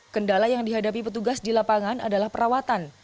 kendala yang dihadapi petugas di lapangan adalah perawatan